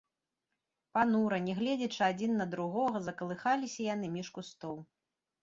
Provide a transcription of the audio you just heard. Панура, не гледзячы адзін на другога, закалыхаліся яны між кустоў.